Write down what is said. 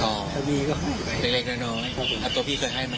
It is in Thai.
อ๋อเล็กน้อยตัวพี่เคยให้มั้ย